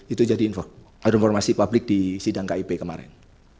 itu jadi informasi publik di sidang kip kemarin